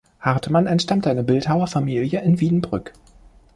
Hartmann entstammte einer Bildhauerfamilie in Wiedenbrück.